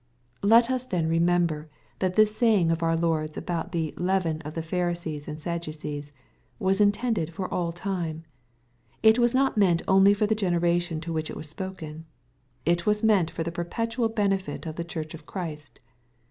Let us then remember that this sapng of our Lord's about the " leaven of the Pharisees and Sadducees" was intended for all time. It was not meant only for the generation to which it was spoken. It was meant for the perpetual benefit of the Church of Christ.